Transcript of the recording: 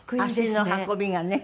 足の運びがね。